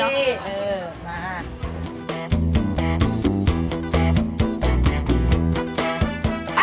เออมา